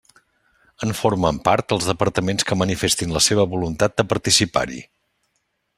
En formen part els departaments que manifestin la seva voluntat de participar-hi.